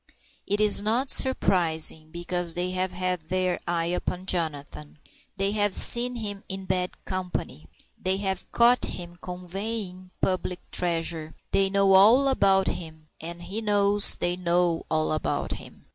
It is not surprising, because they have had their eye upon Jonathan. They have seen him in bad company. They have caught him "conveying" public treasure. They know all about him, and he knows that they know all about him.